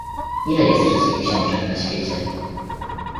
"Ile jest wszystkich książek na świecie?"